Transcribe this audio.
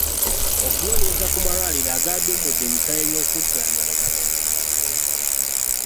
Okunoonyereza ku malwaliro agaaduumudde ebisale by’okujjanjaba ganoonyerezebwako.